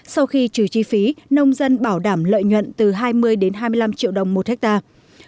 sau khi trừ chi phí nông dân bảo đảm lợi nhuận từ hai mươi đến hai mươi năm triệu đồng một hectare